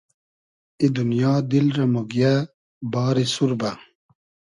ای دونیا، دیل رۂ موگیۂ باری سوربۂ